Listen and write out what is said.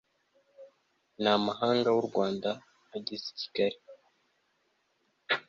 n amahanga w u rwanda ageze i kigali